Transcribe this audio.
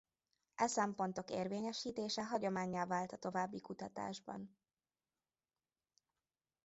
E szempontok érvényesítése hagyománnyá vált a további kutatásban.